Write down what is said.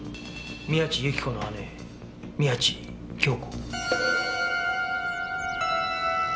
宮地由起子の姉宮地杏子。